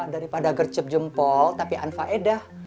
daripada gercep jempol tapi anfaedah